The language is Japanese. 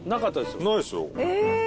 ないですよえっ！